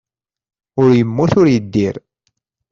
Ur yemmut ur yeddir.